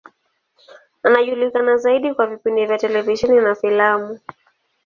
Anajulikana zaidi kwa vipindi vya televisheni na filamu.